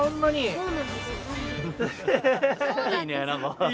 いいね何か。